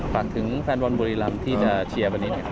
ฝากถึงแฟนบอลบุรีรำที่จะเชียร์วันนี้หน่อย